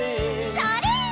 それ！